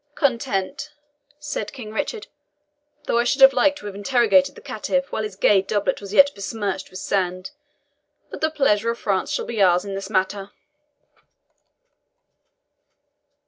"Content," said King Richard, "though I should have liked to have interrogated that caitiff while his gay doublet was yet besmirched with sand. But the pleasure of France shall be ours in this matter."